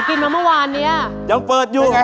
กินมาเมื่อวานเนี้ยยังเปิดอยู่ไง